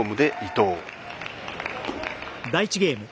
第１ゲーム。